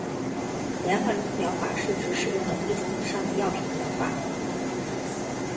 联合疗法是指使用了一种以上的药品的疗法。